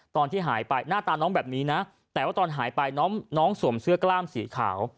ตอนที่หายไปหน้าตาน้องแบบนี้นะแต่ว่าตอนหายไปน้องสวมเสื้อกล้ามสีขาว